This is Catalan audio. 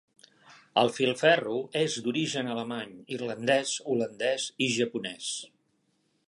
El filferro és d'origen alemany, irlandès, holandès i japonès.